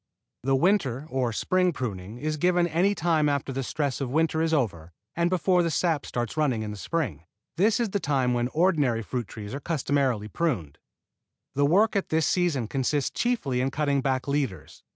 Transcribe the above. The winter or spring pruning is given any time after the stress of winter is over and before the sap starts running in the spring. This is the time when the ordinary fruit trees are customarily pruned. The work at this season consists chiefly in cutting back leaders.